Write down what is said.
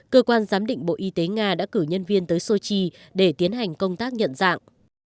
cơ quan giám định bộ y tế nga đã cử nhân viên tới sochi để tiến hành công tác nhận dạng